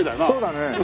そうだね。